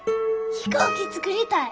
飛行機作りたい！